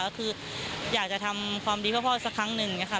ก็คืออยากจะทำความดีเพื่อพ่อสักครั้งหนึ่งอย่างนี้ค่ะ